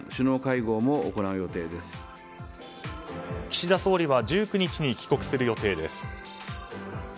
岸田総理は１９日に帰国する予定です。